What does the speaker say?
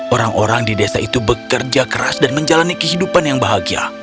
orang orang di desa itu bekerja keras dan menjalani kehidupan yang bahagia